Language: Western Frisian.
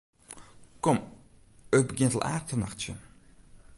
Kom, it begjint al aardich te nachtsjen.